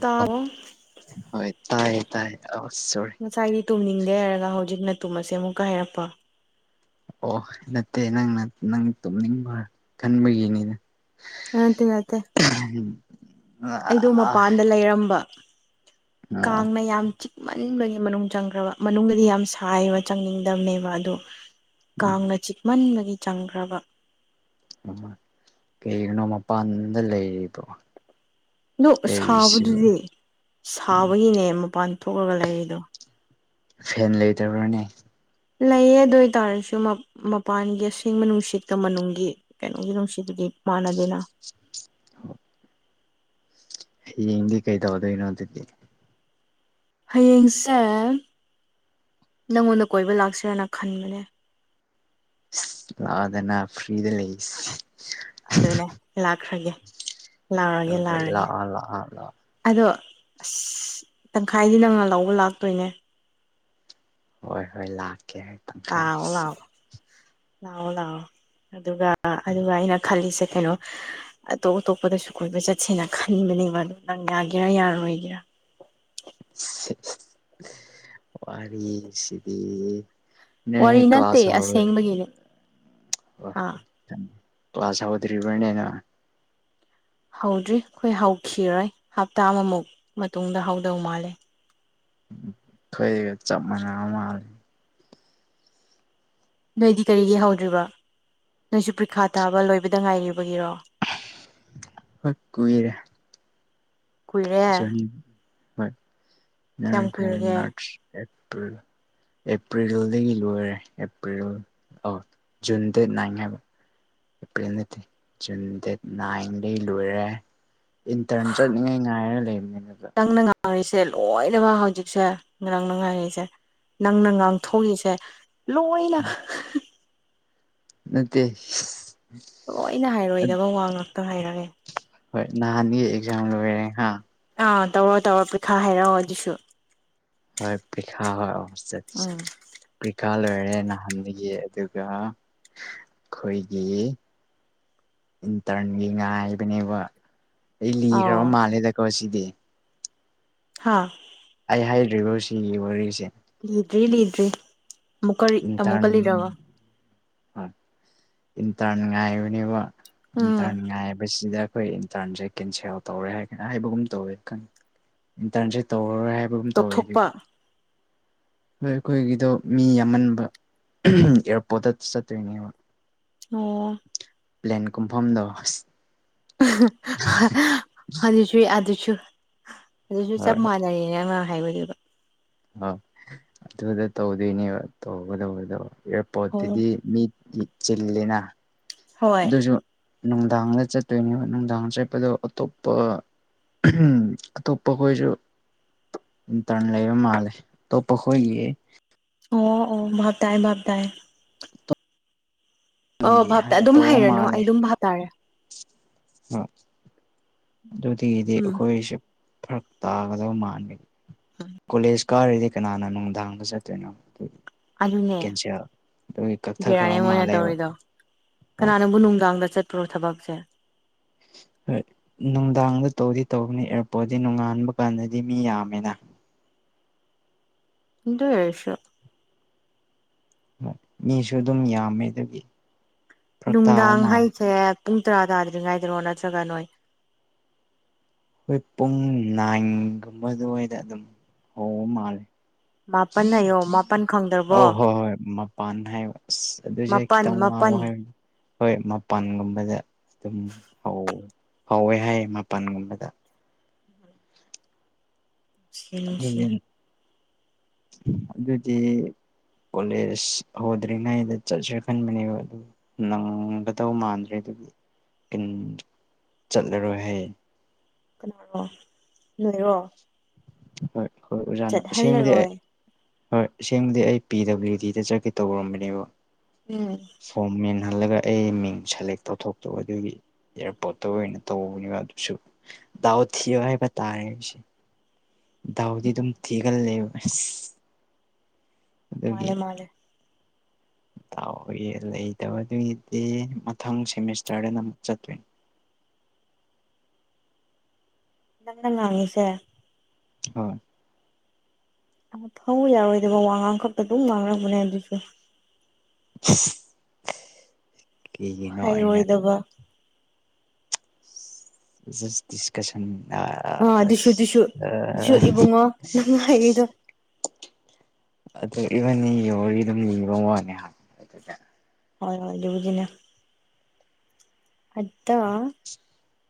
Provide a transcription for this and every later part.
ꯇꯥꯕꯣ ꯍꯣꯏ ꯇꯥꯏ ꯇꯥꯏ ꯑꯩ ꯁꫭꯔ ꯉꯁꯥꯏꯗꯤ ꯇꯨꯝꯅꯤꯡꯗꯦ ꯍꯥꯏꯔꯒ ꯍꯧꯖꯤꯛꯅ ꯇꯨꯝꯑꯁꯦ ꯑꯃꯨꯛꯀ ꯍꯥꯏꯔꯛꯄ꯫ ꯑꯣ ꯅꯠꯇꯦ ꯅꯪꯅ ꯅꯪ ꯇꯨꯝꯅꯤꯡꯕ ꯈꯟꯕꯒꯤꯅꯤꯗ꯫ ꯅꯠꯇꯦ ꯅꯠꯇꯦ꯫ [unintelligible] ꯑꯩꯗꯣ ꯃꯄꯥꯟꯗ ꯂꯩꯔꯝꯕ ꯑꯣ ꯀꯥꯡꯅ ꯌꯥꯝ ꯆꯤꯛ ꯃꯅꯤꯡꯗꯒꯤ ꯃꯅꯨꯡ ꯆꯪꯈ꯭ꯔꯕ ꯃꯅꯨꯡꯗꯗꯤ ꯌꯥꯝ ꯁꯥꯏꯕ ꯆꯪꯅꯤꯡꯗꯕꯅꯦꯕ ꯑꯗꯨ ꯀꯥꯡꯅ ꯆꯤꯛꯃꯟꯕꯒꯤ ꯆꯪꯈ꯭ꯔꯕ꯫ ꯀꯩꯒꯤꯅꯣ ꯃꯄꯥꯟꯗ ꯂꯩꯔꯤꯗꫭ꯫ ꯑꯗꯨꯛ ꯁꯥꯕꯗꯨꯗꯤ ꯁꯥꯕꯒꯤꯅꯦ ꯃꯄꯥꯟ ꯊꯣꯛꯂꯒ ꯂꯩꯔꯤꯗꯣ꯫ ꯐꯦꯟ ꯂꯩꯇꯕ꯭ꯔꯥꯅꯦ꯫ ꯂꯩꯌꯦ ꯑꯗꯨ ꯑꯣꯏꯇꯥꯔꯁꯨ ꯃꯄꯥꯟꯒꯤ ꯑꯁꯦꯡꯕ ꯅꯨꯡꯁꯤꯠꯀ ꯃꯅꯨꯡꯒꯤ ꯀꯩꯅꯣꯒꯤ ꯅꯨꯡꯁꯤꯠꯗꯨꯗꯤ ꯃꯥꯟꯅꯗꯦꯅ꯫ [unintelligible] ꯍꯌꯦꯡꯗꯤ ꯀꯩ ꯇꯧꯗꫭꯏꯅꯣ ꯑꯗꯨꯗꯤ꯫ ꯍꯌꯦꯡꯁꯦ ꯅꯪꯉꯣꯟꯗ ꯀꯣꯏꯕ ꯂꯥꯛꯁꯤꯔꯥꯅ ꯈꯟꯕꯅꯦ꯫ ꯂꯥꯛꯑꫭꯗꯅꯥ ꯐ꯭ꯔꯔꯤꯗ ꯂꯩ꯫ ꯑꯗꯨꯅꯦ ꯂꯥꯛꯈ꯭ꯔꯒꯦ ꯂꯥꯛꯔꯒꯦ ꯍꯣꯏ ꯍꯣꯏ ꯂꯥꯛꯔꯒꯦ꯫ ꯂꯥꯛꯑꯣ ꯂꯥꯛꯑꯣ ꯂꯥꯛꯑꯣ ꯑꯗꯣ ꯑꯁ ꯇꯪꯈꯥꯏꯗꯤ ꯅꯪꯅ ꯂꯧꯕ ꯂꯥꯛꯇꯣꯏꯅꯦ꯫ ꯍꯣꯏ ꯍꯣꯏ ꯂꯥꯛꯀꯦ ꯍꯣꯏ ꯂꯥꯎꯑꯣ ꯂꯥꯎꯑꯣ ꯂꯥꯎꯑꯣ ꯂꯥꯎꯑꯣ ꯑꯗꯨꯒ ꯑ ꯑꯗꯨꯒ ꯑꯩꯅ ꯈꯜꯂꯤꯁꯦ ꯀꯩꯅꯣ ꯑꯇꯣꯞ ꯑꯇꯣꯞꯄꯗꯁꯨ ꯀꯣꯏꯕ ꯆꯠꯁꯦꯅ ꯈꯟꯕꯅꯦꯕ ꯑꯗꯨ ꯅꯪ ꯌꯥꯒꯦꯔꯥ ꯌꯥꯔꯣꯏꯒꯦꯔꯥ ꯋꯥꯔꯤ ꯁꯤꯗꯤ ꯅꯣꯏ ꯋꯥꯔꯤ ꯀ꯭ꯂꯥꯁ ꯅꯠꯇꯦ ꯑꯁꯦꯡꯕꯒꯤꯅꯦ ꯍꯥ [unintelligible] ꯀ꯭ꯂꯥꯁ ꯍꯧꯗ꯭ꯔꯤꯕꯅꯦ ꯅꯣꯏ ꯍꯧꯗ꯭ꯔꯤ ꯑꯩꯈꯣꯏ ꯍꯧꯈꯤꯔꯣꯏ ꯍꯞꯇꯥ ꯑꯃꯃꯨꯛ ꯃꯇꯨꯡꯗ ꯍꯧꯗꯧ ꯃꯥꯜꯂꯦ ꯈꯣꯏꯒ ꯆꯞ ꯃꯥꯟꯅꯕ ꯃꯥꯂꯦ ꯅꯣꯏꯗꯤ ꯀꯔꯤꯒꯤ ꯍꯧꯗ꯭ꯔꯤꯕ ꯅꯣꯏꯁꯨ ꯄ꯭ꯔꯤꯈꯥ ꯇꯥꯕ ꯂꯣꯏꯕꯗ ꯉꯥꯏꯔꯤꯕꯒꯤꯔꯣ ꯍꯣꯏ ꯀꯨꯏꯔꯦ ꯀꯨꯏꯔꯦ [unintelligible] ꯀꯌꯥꯝ ꯀꯨꯏꯔꯒꯦ ꯑꯦꯄ꯭ꯔꯤꯜ ꯑꯦꯄ꯭ꯔꯤꯜꯗꯒꯤ ꯂꯣꯏꯔꯦ ꯑꯦꯄ꯭ꯔꯤꯜ ꯑꯣ ꯖꯨꯟ ꯗꯦꯠ ꯅꯥꯏꯟ ꯍꯥꯏꯕ [unintelligible] ꯅꯥꯏꯟꯗꯩ ꯂꯣꯏꯔꯦ ꯏꯟꯇꯔꯟ ꯆꯠꯅꯤꯡꯉꯥꯏ ꯉꯥꯏꯔꯒ ꯂꯩꯕꯅꯤ ꯑꯗꯨꯗ ꯅꯪꯅ ꯉꯥꯏꯔꯤꯁꯦ ꯂꯣꯏꯅꯃꯛ ꯍꯧꯖꯤꯛꯁꯦ ꯉꯔꯥꯡꯅ ꯉꯥꯏꯔꯤꯁꯦ ꯅꯪꯅ ꯉꯥꯡꯊꯣꯛꯏꯁꯦ ꯂꯣꯏꯅ ꯅꯠꯇꯦ ꯂꯣꯏꯅ ꯍꯥꯏꯔꯣꯏꯗꯕ ꯋꯥ ꯉꯥꯛꯇ ꯍꯥꯏꯔꯛꯑꯦ ꯍꯣꯏ ꯅꯍꯥꯟꯒꯤ ꯑꯦꯛꯖꯥꯝ ꯂꯣꯏꯔꯦ ꯍꯥ ꯑꯥ ꯇꯧꯔꯣ ꯇꯧꯔꯣ ꯄꯤꯈꯥ ꯍꯥꯏꯔꯛꯑꯣ ꯑꯗꯨꯁꯨ ꯍꯣꯏ ꯄꯩꯈꯥ ꯍꯣꯏ [unintelligible] ꯑꯝ ꯄꯩꯈꯥ ꯂꯣꯏꯔꯦ ꯅꯍꯥꯟꯗꯒꯤ ꯑꯗꯨꯒ ꯑꯩꯈꯣꯏꯒꯤ ꯏꯟꯇꯔꯟꯒꯤ ꯉꯥꯏꯕꯅꯦꯕ ꯑꯩ ꯂꯤꯈ꯭ꯔꯕ ꯑꯥꯎ ꯃꯥꯜꯂꯦꯗꯀꯣ ꯁꯤꯗꯤ ꯍꯥꯥ ꯑꯩ ꯍꯥꯏꯗ꯭ꯔꯤꯕ ꯁꯤꯒꯤ ꯋꯥꯔꯤꯁꯦ ꯂꯤꯗ꯭ꯔꯤ ꯂꯤꯗ꯭ꯔꯤ ꯑꯃꯨꯛꯀ ꯂꯤ ꯑꯃꯨꯛꯀ ꯂꯤꯔꯛꯑꯣ ꯍꯣꯏ ꯏꯟꯇ꯭ꯔꯟ ꯉꯥꯏꯕꯅꯦꯕ ꯎꯝ ꯏꯟꯇ꯭ꯔꯟ ꯉꯥꯏꯕꯁꯤꯗ ꯑꯩꯈꯣꯏ ꯏꯟꯇꯔꯟꯁꯦ ꯀꯦꯟꯁꯦꯜ ꯇꯧꯔꯦ ꯍꯥꯏ ꯍꯥꯏꯕꯒꯨꯝ ꯇꯧꯋꯦ ꯈꯪ ꯏꯟꯇꯔꯟꯁꯦ ꯇꯧꯔꯔꯣꯏ ꯍꯥꯏꯕ ꯍꯥꯏꯕꯒꯨꯝ ꯇꯧꯋꯦ ꯇꯣꯛꯊꯣꯛꯄ ꯑꯗꯨꯒꯤ ꯅꯣꯏ ꯑꯩꯈꯣꯏꯒꯤꯗꯣ ꯃꯤ ꯌꯥꯝ ꯑꯃꯟꯕ ꯑꯦꯌꯥꯔꯄꯣꯠꯇ ꯆꯠꯇꯣꯏꯅꯦꯕ ꯑꯣ ꯄ꯭ꯂꯦꯟ ꯀꯨꯝꯐꯝꯗꯣ ꯑꯁ ꯑꯗꯨꯁꯨ ꯑꯗꯨꯁꯨ ꯑꯗꯨꯁꯨ ꯆꯞ ꯍꯣꯏ ꯃꯥꯟꯅꯩꯌꯦ [unintelligible] ꯍꯥꯏꯕꯅꯦꯕ ꯑ ꯑꯗꯨꯗ ꯇꯧꯗꯣꯏꯅꯦꯕ ꯇꯧꯒꯗꯕꯗꯣ ꯑꯣ ꯑꯦꯌꯥꯔꯄꯣꯔꯠꯇꯨꯗꯤ ꯃꯤ ꯗꯤ ꯆꯤꯜꯂꯤꯅ ꯍꯣꯏ ꯑꯗꯨꯁꯨ ꯅꯨꯡꯗꯥꯡꯗ ꯆꯠꯇꯣꯏꯅꯦꯕ ꯅꯨꯡꯗꯥꯡ ꯆꯠꯄꯗꯣ ꯑꯇꯣꯞꯄ ꯎꯝ ꯑꯇꯣꯞꯄ ꯈꯣꯏꯁꯨ ꯏꯟꯇ꯭ꯔꯟ ꯂꯩꯕ ꯃꯥꯂꯦ ꯑꯇꯣꯞꯄꯈꯣꯏꯒꯤ ꯑꯣ ꯑꯣ ꯚꯥꯞ ꯇꯥꯏ ꯚꯥꯞ ꯇꯥꯏ ꯑꯣ ꯅꯪꯒꯤ ꯚꯥꯞ ꯇꯥꯏ ꯑꯗꯨꯝ ꯍꯥꯏꯔꯅꯨ ꯑꯩ ꯑꯗꯨꯝ ꯚꯥꯞ ꯇꯥꯔꯦ ꯑ ꯑꯗꯨꯗꯒꯤꯗꯤ ꯎꯝ ꯑꯩꯈꯣꯏꯁꯦ ꯐꯔꯛ ꯇꯥꯒꯗꯕ ꯃꯥꯟꯕꯒꯤ ꯀꯣꯂꯦꯖ ꯀꯥꯔꯗꯤ ꯀꯅꯥꯅ ꯅꯨꯡꯗꯥꯡꯗ ꯆꯠꯇꯣꯏꯅꯣ ꯑꯗꯨꯅꯦ ꯀꯦꯟꯁꯦꯜ ꯑꯗꯨꯒꯤ ꯕꯤꯔꯌꯥꯅꯤ ꯀꯛꯊꯈ꯭ꯔꯕ ꯑꯣꯏꯅ ꯃꯥꯜꯂꯦꯕ ꯇꯧꯔꯤꯗꯣ ꯍꯣꯏ ꯀꯅꯥꯅꯪꯕꯨ ꯅꯨꯡꯗꯥꯡꯗ ꯆꯠꯄ꯭ꯔꯣ ꯊꯕꯛꯁꯦ ꯍꯣꯏ ꯅꯨꯡꯗꯥꯡꯗ ꯇꯧꯗꯤ ꯇꯧꯅꯤ ꯑꯦꯌꯥꯔꯄꯣꯔꯠꯇꯤ ꯅꯣꯡꯉꯥꯟꯕ ꯀꯥꯟꯗꯗꯤ ꯃꯤ ꯌꯥꯝꯃꯦꯅ ꯗꯨꯏꯑꯣꯏꯔꯁꯨ ꯃꯤꯁꯨ ꯑꯗꯨꯝ ꯌꯥꯝꯃꯦ ꯑꯗꯨꯒꯤ ꯐꯔꯛ ꯇꯥꯕ ꯅꯨꯡꯗꯥꯡ ꯃꯥꯜꯂꯦ ꯍꯥꯏꯁꯦ ꯄꯨꯡ ꯇꯔꯥ ꯇꯥꯗ꯭ꯔꯤꯉꯥꯏꯗꯔꯣ ꯅꯠꯇ꯭ꯔꯒ ꯅꯣꯏ ꯑꯩꯈꯣꯏ ꯄꯨꯡ ꯅꯥꯏꯟꯒꯨꯝꯕꯗꯨꯋꯥꯏꯗ ꯑꯗꯨꯝ ꯍꯧꯕ ꯃꯥꯜꯂꯦ [unintelligible] ꯑꯧ ꯍꯣꯏ ꯍꯣꯏ ꯃꯄꯥꯟ ꯍꯥꯏꯕ ꯑꯁ ꯑꯗꯨꯁꯦ ꯃꯥꯄꯟ ꯈꯤꯇꯪ ꯃꯥꯄꯟ ꯋꯥꯡꯕꯣ ꯍꯥꯏꯕ ꯍꯣꯏ ꯃꯄꯥꯟꯒꯨꯝꯕꯗ ꯑꯗꯨꯝ ꯍꯧꯋꯦ ꯍꯥꯏꯌꯦ ꯃꯄꯜꯒꯨꯝꯕꯗ ꯅꯨꯡꯁꯤ ꯅꯨꯡꯁꯤ ꯑꯗꯨꯃꯤꯟ ꯑꯗꯨꯗꯤ ꯀꯣꯂꯦꯖ ꯍꯗ꯭ꯔꯤꯉꯩꯗ ꯆꯠꯁꯦ ꯈꯟꯕꯅꯦꯕ ꯅꯪꯒꯗꯧ ꯃꯥꯟꯗ꯭ꯔꯦ ꯑꯗꯨꯅ ꯆꯠꯂꯔꯣꯏ ꯍꯥꯏꯌꯦ ꯅꯣꯏꯔꯣ ꯍꯣꯏ ꯑꯣꯕꯖꯥꯟ ꯑꯥꯁꯦꯡꯕꯗꯤ ꯆꯠꯍꯜꯂꯔꯣꯏ ꯍꯣꯏ ꯁꯦꯡꯕꯗꯤ ꯑꯩ ꯄꯤ ꯗꯕ꯭ꯂꯤꯎ ꯗꯤꯗ ꯆꯠꯀꯦ ꯇꯧꯔꯝꯕꯅꯦꯕ ꯎꯝ ꯐꯣꯝ ꯃꯦꯟꯍꯜꯂꯒ ꯑꯩ ꯃꯤꯡ ꯁꯦꯂꯦꯛ ꯇꯧꯊꯣꯛꯇꯣ ꯑꯗꯨꯒꯤ ꯑꯦꯌꯥꯔꯄꯣꯠꯇ ꯑꯣꯏꯅ ꯇꯧꯕꯅꯤꯕ ꯑꯗꯨꯁꯨ ꯗꯥꯎ ꯊꯤꯌ ꯍꯥꯏꯕ ꯇꯥꯔꯦ ꯗꯥꯎꯗꯤ ꯑꯗꯨꯝ ꯊꯤꯒꯜꯂꯦꯕ ꯑꯁ ꯑꯗꯨꯒꯤ ꯃꯥꯜꯂꯦ ꯃꯥꯜꯂꯦ [unintelligible] ꯂꯩꯇꯕꯗꯨꯒꯤꯗꯤ ꯃꯊꯪ ꯁꯦꯃꯤꯁꯇꯔꯗꯅ ꯑꯃꯨꯛ ꯆꯠꯇꯣꯏꯅꯦ ꯅꯪꯅ ꯉꯥꯡꯉꯤꯁꯦ ꯍꯣꯏ ꯑꯐꯧ ꯌꯥꯔꯣꯏꯗꯕ ꯋꯥ ꯉꯥꯡ ꯈꯛꯇ ꯑꯗꯨꯝ ꯉꯥꯡꯂꯛꯄꯅꯦ ꯑꯗꯨꯁꯨ ꯀꯩꯒꯤꯅꯣ ꯑꯩꯅꯥ ꯍꯩꯔꯣꯏꯗꯕ ꯁꯤꯁ ꯗꯤꯁꯀꯁꯟꯗꯥ ꯑꯥ ꯑꯗꯨꯁꯨ ꯑꯗꯨꯁꯨ ꯑꯗꯨꯁꯨ ꯏꯕꯨꯡꯉꯣ ꯅꯪ ꯍꯥꯏꯔꯤꯗꯣ [unintelligible] ꯑꯗꯣ ꯋꯔꯤꯗꯣ ꯃꯤꯒꯤ ꯃꯋꯥꯅꯦ ꯍꯥ ꯍꯣꯏ ꯍꯣꯏ ꯑꯗꯨꯕꯨꯗꯤꯅꯦ ꯑꯠꯗꯣ [inaudible]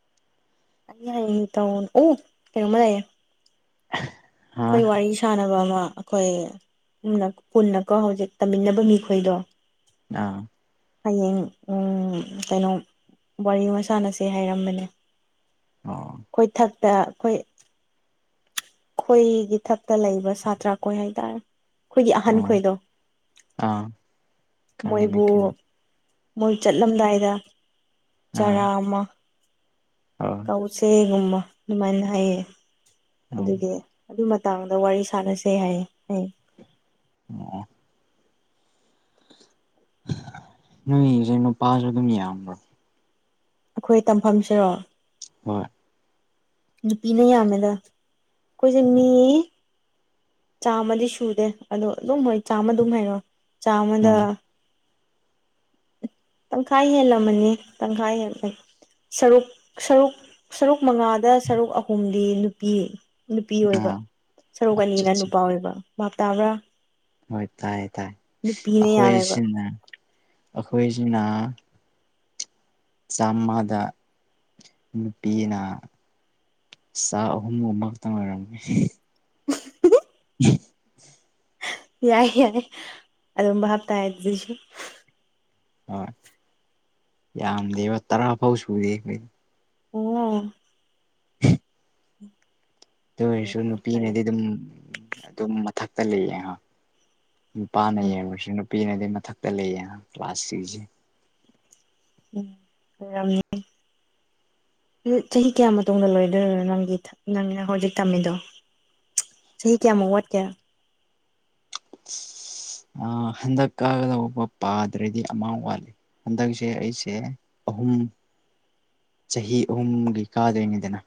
[unintelligible] ꯀꯩꯅꯣꯃꯥ ꯂꯩꯌꯦ ꯑꯥ ꯑꯩꯈꯣꯏ ꯋꯥꯔꯤ ꯁꯥꯟꯅꯕ ꯑꯃ ꯑꯩꯈꯣꯏ ꯀꯨꯟꯅ ꯀꯨꯟꯅꯀꯣ ꯍꯧꯖꯤꯛ ꯇꯝꯃꯤꯟꯅꯕ ꯃꯤꯈꯣꯏꯗꯣ ꯑꯥ ꯍꯌꯦꯡ ꯎꯝ ꯀꯩꯅꯣ ꯋꯥꯔꯤ ꯃꯁꯥꯟꯅꯁꯦ ꯍꯥꯏꯔꯝꯕꯅꯦ ꯑꯣ ꯑꯩꯈꯣꯏ ꯊꯛꯇ ꯑꯈꯣꯏ ꯑꯩꯈꯣꯏꯒꯤ ꯊꯛꯇ ꯂꯩꯕ ꯁꯥꯇ꯭ꯔ ꯀꯣꯏ ꯍꯥꯏꯇꯥꯔꯦ ꯑꯩꯈꯣꯏꯒꯤ ꯑꯍꯟ ꯑꯣ ꯈꯣꯏꯗꯣ ꯑꯥ ꯈꯪꯉꯦꯅꯦ ꯃꯣꯏꯕꯨ ꯈꯪꯉꯦ ꯃꯣꯏ ꯆꯠꯂꯝꯗꯥꯏꯗ ꯑꯥ ꯆꯥꯔꯥ ꯑꯃ ꯑꯣ ꯎꯆꯦꯒꯨꯝꯕ ꯑꯗꯨꯃꯥꯏꯅ ꯍꯥꯏꯌꯦ ꯑꯣ ꯑꯗꯨꯒꯤ ꯑꯗꯨ ꯃꯇꯥꯡꯗ ꯋꯥꯔꯤ ꯁꯥꯟꯅꯁꯦ ꯍꯥꯏꯌꯦ ꯑꯣ ꯅꫭꯏ ꯌꯦꯡꯏꯖꯦ ꯅꯨꯄꯥꯁꯨ ꯑꯗꯨꯝ ꯌꯥꯝꯕ꯭ꯔꯣ꯫ ꯑꯩꯈꯣꯏ ꯇꯝꯐꯝꯁꯤꯔꯣ꯫ ꯍꯣꯏ꯫ ꯅꯨꯄꯤꯅ ꯌꯥꯝꯃꯦꯗ ꯑꯩꯈꯣꯏꯁꯦ ꯃꯤ ꯆꯥꯝꯃꯗꯤ ꯁꯨꯗꯦ ꯑꯗꯣ ꯑꯗꯨꯝ ꯍꯣꯏ ꯆꯥꯝꯃ ꯑꯗꯨꯝ ꯍꯥꯏꯔꯣ ꯆꯥꯝꯃꯗ ꯎꯝ ꯇꯪꯈꯥꯏ ꯍꯦꯜꯂꯝꯃꯅꯤ ꯇꯪꯈꯥꯏ ꯍꯦꯜꯂꯦ꯫ ꯁꯔꯨꯛ ꯁꯔꯨꯛ ꯁꯔꯨꯛ ꯃꯉꯥꯗ ꯁꯔꯨꯛ ꯑꯍꯨꯝꯗꯤ ꯅꯨꯄꯤ꯫ ꯅꯨꯄꯤ ꯑꯣꯏꯕ ꯑꯥ ꯁꯔꯨꯛ ꯑꯠꯆꯥ ꯑꯅꯤꯅ ꯆꯥ ꯅꯨꯄꯥ ꯑꯣꯏꯕ ꯚꯥꯞ ꯇꯥꯕ꯭ꯔꯥ꯫ ꯍꯣꯏ ꯇꯥꯏ ꯇꯥꯏ ꯅꯨꯄꯤꯅ ꯌꯥꯝꯃꯦꯕ ꯑꯩꯈꯣꯏꯁꯤꯅ ꯑꯩꯈꯣꯏꯁꯤꯅꯥ ꯆꯥꯝꯃꯗ ꯅꯨꯄꯤꯅ ꯆꯥꯛ ꯑꯍꯨꯝꯒꯨꯝꯕ ꯈꯛꯇꯪ ꯑꯣꯏꯔꯝꯒꯅꯤ꯫ [unintelligible] ꯌꯥꯏ ꯌꯥꯏ ꯑꯗꯨꯝꯕ ꯕꯍꯥꯞꯇꯥꯔꯦ ꯑꯗꯨꯏꯁꯨ꯫ ꯍꯣꯏ ꯌꯥꯝꯗꯦꯕ ꯇꯔꯥ ꯐꯥꯎ ꯁꯨꯗꯦ ꯑꯩꯈꯣꯏ꯫ ꯑꯣ꯫ [unintelligible] ꯑꯗꯨ ꯑꯣꯏꯔꯁꯨ ꯌꯥꯝ ꯐꯔꯦ ꯅꯨꯄꯤꯅꯗꯤ ꯑꯗꯨꯝ ꯑꯗꯨꯝ ꯃꯊꯛꯇ ꯂꯩꯌꯦ꯫ ꯅꯨꯄꯥꯅ ꯎꯝ ꯌꯦꯡꯔꯁꯨ ꯅꯨꯄꯤꯅꯗꯤ ꯃꯊꯛꯇ ꯂꯩꯌꯦ ꯀ꯭ꯂꯥꯁ ꯊ꯭ꯔꯤꯁꯤ꯫ [inaudible] ꯆꯍꯤ ꯀꯌꯥ ꯃꯇꯨꯡꯗ ꯂꯣꯏꯗꯣꯏꯅꯣ ꯅꯪꯒꯤ ꯅꯪꯅ ꯍꯧꯖꯤꯛ ꯇꯝꯃꯤꯗꯣ꯫ ꯆꯍꯤ ꯀꯌꯥꯃꯨꯛ ꯋꯥꯠꯀꯦ꯫ ꯑ ꯍꯟꯗꯛ ꯀꯥꯒꯗꯧꯕ ꯄꯥꯗ꯭ꯔꯗꯤ ꯑꯃꯥ ꯋꯥꯠꯂꯤ꯫ ꯍꯟꯗꯛꯁꯦ ꯑꯩꯁꯦ ꯑꯍꯨꯝ ꯆꯍꯤ ꯑꯍꯨꯝꯒꯤ ꯀꯥꯗꫭꯏꯅꯤꯗꯅ꯫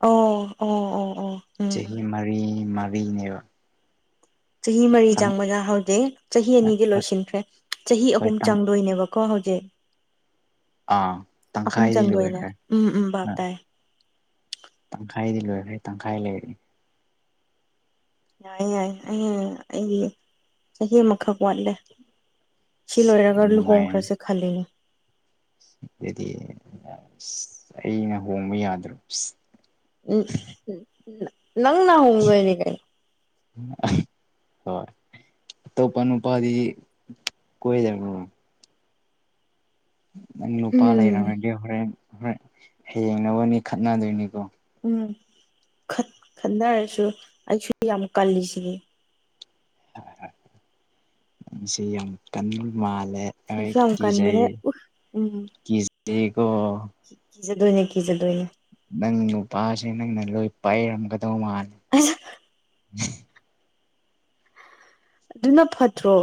ꯑꯣ ꯑꯣ ꯑꯣ ꯑꯣ꯫ ꯎꯝ ꯆꯍꯤ ꯎꯝ ꯃꯔꯤ ꯃꯔꯤꯅꯦꯕ꯫ ꯆꯍꯤ ꯃꯔꯤ ꯆꯪꯕꯗ ꯍꯧꯖꯤꯛ ꯆꯍꯤ ꯑꯅꯤꯗꯤ ꯍꯣꯏ ꯂꯣꯏꯁꯤꯟꯈ꯭ꯔꯦ ꯆꯍꯤ ꯍꯣꯏ ꯑꯍꯨꯝ ꯇꯪ ꯆꯪꯗꯣꯏꯅꯦꯕ꯫ ꯀꯣ ꯍꯧꯖꯤꯛ ꯑꯥ ꯑꯍꯨꯝ ꯇꯪꯈꯥꯏꯗꯤ ꯆꯪꯗꯣꯏꯅꯦ ꯂꯣꯏꯈ꯭ꯔꯦ ꯎꯝ ꯎꯝ ꯚꯥꯞ ꯇꯥꯏ꯫ ꯇꯪꯈꯥꯏꯗꯤ ꯂꯣꯏꯈ꯭ꯔꯦ ꯇꯪꯈꯥꯏ ꯂꯩꯔꯤ꯫ ꯌꯥꯏ ꯌꯥꯏꯌꯦ ꯑꯩ ꯑꯩꯒꯤ ꯆꯍꯤ ꯑꯃꯈꯛ ꯋꯥꯠꯂꯦ꯫ ꯁꯤ ꯂꯣꯏꯔꯒ ꯌꯥꯝ ꯅꯨꯡꯉꯥꯏꯔꯅꯤ ꯂꯨꯍꯣꯡꯈ꯭ꯔꯁꯦ ꯈꯜꯂꯤꯅꯤ꯫ ꯑꯗꯨꯗꯤ ꯑꯁ ꯑꯩꯅ ꯍꯣꯡꯕ ꯌꯥꯗ꯭ꯔꯣ꯫ ꯎꯝ ꯅꯪꯅ ꯍꫭꯡꯗꫭꯏꯅꯦ ꯀꯩꯅꫭ꯫ ꯍꯣꯏ꯫ ꯑꯇꯣꯞꯄ ꯅꯨꯄꯥꯥꯗꯤ ꯀꯣꯏꯗꯕ꯭ꯔꫭ꯫ ꯅꯪ ꯅꯨꯄꯥ ꯎꯝ ꯂꯩꯔꯝꯃꯗꯤ ꯍꯣꯔꯦꯟ ꯍꯣꯔꯦꯟ ꯍꯌꯦꯡ ꯅꯕꯅꯤ ꯈꯠꯅꯗꯣꯏꯅꯤꯀꯣ꯫ ꯎꯝ ꯈꯠ ꯈꯟꯅꯔꯁꯨ ꯑꯩꯁꯨ ꯌꯥꯝ ꯀꯜꯂꯤꯁꯤꯗꯤ꯫ ꯅꯪꯁꯤ ꯌꯥꯝ ꯀꯟꯕ ꯃꯥꯜꯂꯦ꯫ ꯑꯩ ꯑꯩꯁꯨ ꯌꯥꯝ ꯀꯤꯖꯩ ꯀꯟꯕꯅꯦ ꯎ ꯎꯝ ꯀꯖꯩꯀꯣ꯫ ꯀꯤꯖꯗꯣꯏꯅꯦ ꯀꯤꯖꯗꯣꯏꯅꯦ꯫ ꯅꯪ ꯅꯨꯄꯥꯁꯦ ꯅꯪꯅ ꯂꯣꯏ ꯄꯥꯏꯔꯝꯒꯗꯧ ꯃꯥꯜꯂꯦ꯫ ꯑꯁ ꯗꯨꯅ ꯐꯠꯇ꯭ꯔꯣ꯫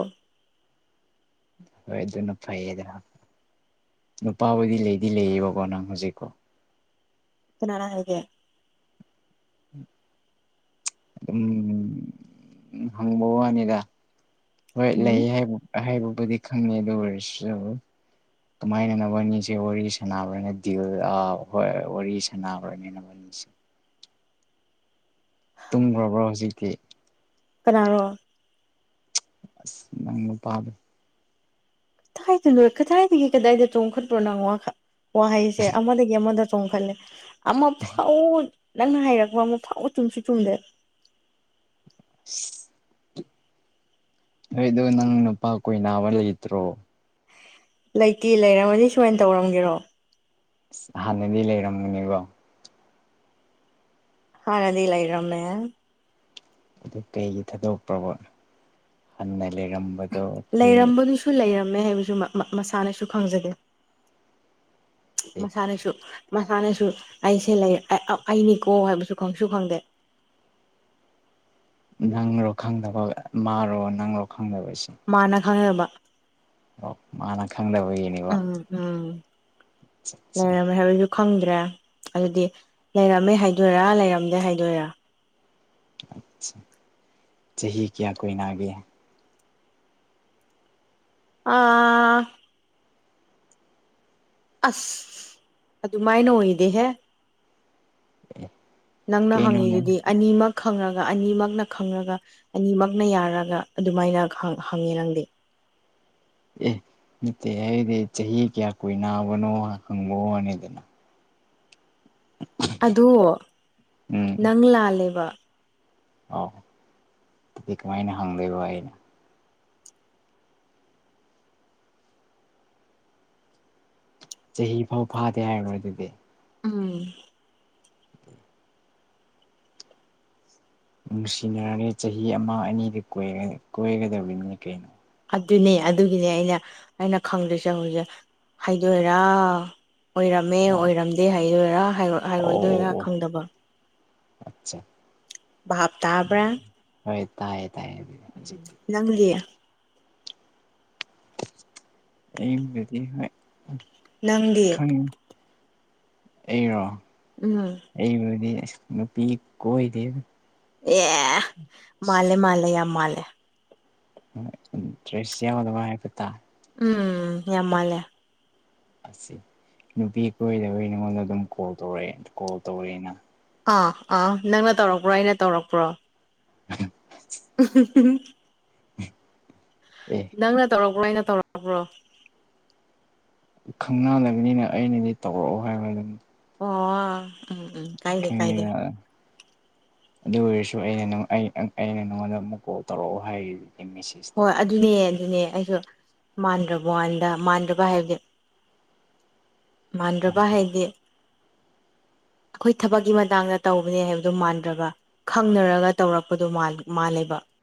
ꯍꯣꯏ ꯑꯗꯨꯅ ꯐꯩꯌꯦꯗ ꯅꯨꯄꯥꯕꯨꯗꯤ ꯂꯩꯗꯤ ꯂꯩꯌꯦꯕꯀꯣ ꯅꯪ ꯍꯧꯖꯤꯛꯀꯣ꯫ ꯀꯅꯥꯅ ꯍꯥꯏꯒꯦ꯫ ꯑꯗꯨꯝ ꯍꯪꯕ ꯋꯥꯅꯤꯗ ꯍꯣꯏ ꯎꯝ ꯂꯩꯌꯦ ꯍꯥꯏꯕꯨ ꯍꯥꯏꯕꯕꯨꯗꯤ ꯈꯪꯉꯦ ꯑꯗꯨ ꯑꯣꯏꯔꯁꯨ ꯀꯃꯥꯏꯅ ꯅꯕꯅꯤꯁꯦ ꯋꯥꯔꯤ ꯁꯥꯟꯅꯕꯅꯦ ꯗꯤꯜ ꯍꯣꯏ ꯋꯥꯔꯤ ꯁꯥꯟꯅꯕ꯭ꯔꯅꯤꯅ ꯅꯕꯅꯤꯁꯦ ꯇꯨꯝꯈ꯭ꯔꯕ꯭ꯔꯣ ꯍꯧꯖꯤꯛꯇꯤ ꯀꯅꯥꯔꯣ ꯑꯁ ꯅꯪ ꯅꯨꯄꯥꯗꯣ ꯀꯗꯥꯏꯗꯅꯣ ꯀꯗꯥꯏꯗꯒꯤ ꯀꯗꯥꯏꯗ ꯆꯣꯡꯈꯠꯄ꯭ꯔꯣ ꯅꯪ ꯋꯥꯈꯜ ꯋꯥꯍꯩꯁꯦ ꯑꯃꯗꯒꯤ ꯑꯃꯗ ꯆꯣꯡꯈꯔꯂꯦ ꯑꯃꯐꯧ ꯅꯪꯅ ꯍꯥꯏꯔꯛꯄ ꯑꯃꯨꯛ ꯐꯥꯎ ꯆꯨꯝꯁꯨ ꯆꯨꯝꯗꯦ [inaudible] ꯑꯩꯗꯣ ꯅꯪ ꯅꯨꯄꯥ ꯀꯣꯏꯅꯕ ꯂꯩꯇ꯭ꯔꯣ ꯂꯩꯇꯦ ꯂꯩꯔꯝꯃꯗꯤ ꯁꯨꯃꯥꯏ ꯇꯧꯔꯝꯒꯦꯔꯣ ꯑꯁ ꯑꯍꯟꯕꯗꯤ ꯂꯩꯔꯝꯒꯅꯤ ꯀꯦ ꯍꯥꯅꯗꯤ ꯂꯩꯔꯣꯝꯃꯦ ꯑꯗꯨ ꯀꯩꯒꯤ ꯊꯥꯗꯣꯛꯄ꯭ꯔꯕ ꯍꯟꯅ ꯂꯩꯔꯝꯕ ꯂꯩꯔꯝꯕꯗꯨꯁꯨ ꯂꯩꯔꯝꯃꯦ ꯍꯥꯏꯕꯁꯨ ꯃꯁꯥꯅꯁꯨ ꯈꯪꯖꯗꯦ ꯃꯁꯥꯅꯁꯨ ꯃꯁꯥꯅꯁꯨ ꯑꯩꯁꯦ ꯂꯩ ꯑꯩꯅꯤꯀꯣ ꯍꯥꯏꯕꯁꯨ ꯈꯪꯁꯨ ꯈꯪꯗꯦ ꯅꯪꯂꯣ ꯈꯪꯗꯕ ꯃꯥꯔꯣ ꯅꯪꯂꯣ ꯈꯪꯗꯕꯁꯦ ꯃꯥꯅ ꯈꯪꯗꯕ ꯑꯣ ꯃꯥꯅ ꯈꯪꯗꯕꯒꯤꯅꯦꯕ ꯎꯝ ꯎꯝ ꯆꯥ ꯂꯩꯔꯝꯃꯤ ꯍꯥꯏꯕꯁꯨ ꯈꯪꯗ꯭ꯔꯦ ꯑꯗꯨꯗꯤ ꯂꯩꯔꯝꯃꯦ ꯍꯥꯏꯗꯣꯏꯔꯥ ꯂꯩꯔꯝꯗꯦ ꯍꯥꯏꯗꯣꯏꯔꯥ ꯆꯍꯤ ꯀꯌꯥ ꯀꯣꯏꯅꯒꯦ ꯑ ꯑꯁ ꯑꯗꯨꯃꯥꯏꯅ ꯑꯣꯏꯗꯦꯍꯦ ꯑ ꯅꯪꯅ ꯍꯪꯉꯤꯗꯨꯗꯤ ꯑꯅꯤꯃꯛ ꯈꯪꯉꯒ ꯑꯅꯤꯃꯛꯅ ꯈꯪꯉꯒ ꯑꯅꯤꯃꯛꯅ ꯌꯥꯔꯒ ꯑꯗꯨꯃꯥꯏꯅ ꯍꯪꯉꯦ ꯅꯪꯗꯦ ꯑꯦ ꯅꯠꯇꯦ ꯍꯥꯏꯗꯤ ꯆꯍꯤ ꯀꯌꯥ ꯀꯨꯏꯅꯕꯅꯣ ꯈꯪꯕ ꯋꯥꯅꯤꯗꯅ ꯑꯗꯣ ꯅꯪ ꯂꯥꯜꯂꯦꯕ ꯑ ꯑꯗꯨꯗꯤ ꯀꯃꯥꯏꯅ ꯍꯪꯗꯣꯏꯕ ꯑꯩꯅ ꯆꯍꯤ ꯐꯥꯎ ꯐꯥꯗꯦ ꯍꯥꯏꯔꯣꯏ ꯑꯗꯨꯗꯤ ꯎꯝ ꯅꯨꯡꯁꯤꯅꯔꯗ ꯆꯍꯤ ꯑꯃ ꯑꯅꯤꯗ ꯀꯣꯏꯒꯗꯕꯅꯤ ꯀꯩꯅꯣ ꯑꯗꯨꯅꯦ ꯑꯗꯨꯒꯤꯅꯦ ꯑꯩꯅ ꯑꯩꯅ ꯈꯪꯗ꯭ꯣꯏꯁꯦ ꯍꯧꯖꯤꯛ ꯍꯥꯏꯗꯣꯏꯔꯥ ꯑꯣꯏꯔꯝꯃꯦ ꯑꯣꯏꯔꯝꯗꯦ ꯍꯥꯏꯗꯣꯏꯔꯥ ꯍꯥꯏꯕꯥ ꯑꯣ ꯑꯣ ꯑꯣ ꯑꯆꯥ ꯚꯥꯞ ꯇꯥꯕ꯭ꯔꯥ ꯍꯣꯏ ꯇꯥꯏꯌꯦ ꯇꯥꯏꯌꯦ ꯍꯧꯖꯤꯛꯇꯤ ꯅꯪꯗꯤ ꯑꯩꯒꯤꯗꯤ ꯍꯣꯏ ꯅꯪꯗꯤ ꯑꯦꯔꯣ ꯎꯝ ꯑꯩꯕꯨꯗꯤ ꯑꯁ ꯅꯨꯄꯤ ꯀꯣꯏꯗꯦꯗꯥ ꯑꯦ ꯃꯥꯜꯂꯦ ꯃꯥꯜꯂꯦ ꯌꯥꯝ ꯃꯥꯜꯂꯦ ꯏꯟꯠꯔꯦꯁꯇ ꯌꯥꯎꯗꯕꯥ ꯍꯥꯏ ꯇꯥꯔꯦ ꯎꯝ ꯌꯥꯝ ꯃꯥꯜꯂꯦ ꯑꯁꯤ ꯅꯨꯄꯤ ꯀꯣꯏꯗꯕꯩ ꯅꯉꯣꯟꯗ ꯑꯗꯨꯝ ꯀꯣꯜ ꯇꯧꯔꯛꯑꯦ ꯀꯣꯜ ꯇꯧꯔꯛꯑꯦꯅ ꯑꯥ ꯑꯥ ꯅꯪꯅ ꯇꯧꯔꯛꯄ꯭ꯔꯣ ꯑꯩꯅ ꯇꯧꯔꯛꯄ꯭ꯔꯣ [inaudible] [unintelligible] ꯑꯦ ꯅꯪꯅ ꯇꯧꯔꯛꯄ꯭ꯔꯣ ꯑꯩꯅ ꯇꯧꯔꯛꯄ꯭ꯔꯣ ꯈꯪꯅꯂꯕꯅꯤꯅ ꯑꯩꯅꯗꯤ ꯇꯧꯔꯛꯑꯣ ꯍꯥꯏꯕ ꯑꯗꯨꯝ ꯑꯣ ꯎꯝ ꯎꯝ ꯀꯥꯏꯗꯦ ꯀꯥꯏꯗꯦ ꯈꯪꯗꯦꯗ ꯑꯗꯨ ꯑꯣꯏꯔꯁꯨ ꯑꯩꯅ ꯑꯩ ꯑꯩ ꯑꯩꯅ ꯅꯉꯣꯟꯗ ꯑꯃꯨꯛ ꯀꯣꯜ ꯇꯧꯔꯛꯑꯣ ꯍꯥꯏꯔꯤꯗꯤ ꯃꯦꯁꯦꯁ ꯍꯣꯏ ꯑꯗꯨꯅꯦ ꯑꯗꯨꯅꯦ ꯑꯩꯁꯨ ꯃꯥꯟꯗ꯭ꯔꯥꯋꯥꯟꯗ ꯃꯥꯟꯗ꯭ꯔꯕ ꯍꯥꯏꯕꯗꯤ ꯃꯥꯟꯗ꯭ꯔꯕ ꯍꯥꯏꯗꯤ ꯑꯩꯈꯣꯏ ꯊꯕꯛꯀꯤ ꯃꯇꯥꯡꯗ ꯇꯧꯕꯅꯦ ꯍꯥꯏꯕꯗꯣ ꯃꯥꯟꯗ꯭ꯔꯕ ꯈꯪꯅꯔꯒ ꯇꯧꯔꯛꯄꯗꯣ ꯃꯥꯜ ꯃꯥꯜꯂꯦꯕ